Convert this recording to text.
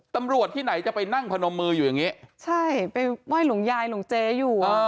ตำรวจที่ไหนจะไปนั่งพนมมืออยู่อย่างนี้ใช่ไปไหว้หลวงยายหลวงเจ๊อยู่